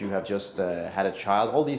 oleh pemerintah secara gratis